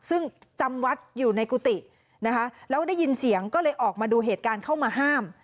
ซึ่งจำวัดอยู่ในกุฏินะคะแล้วได้ยินเสียงก็เลยออกมาดูเหตุการณ์เข้ามาห้าม